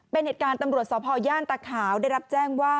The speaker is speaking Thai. เป็นเหตุการณ์ตำรวจสพย่านตาขาวได้รับแจ้งว่า